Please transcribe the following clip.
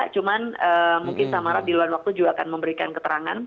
cuman mungkin samarat di luar waktu juga akan memberikan keterangan